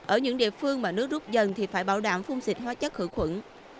ở những địa phương mà nước rút dần thì phải bảo đảm phun xịt hóa chất khử khuẩn